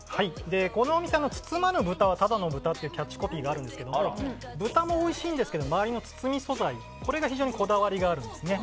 このお店包まぬブタはただのブタというキャッチコピーがあるんですけど豚もおいしいんですけど周りの包み素材に非常にこだわりがあるんです。